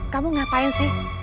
kamu ngapain sih